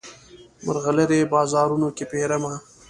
مرغلرې بازارونو کې پیرمه